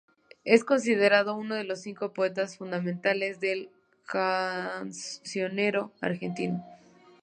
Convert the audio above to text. Es considerado uno de los cinco poetas fundamentales del cancionero argentino.